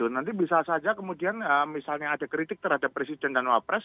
nanti bisa saja kemudian misalnya ada kritik terhadap presiden dan wapres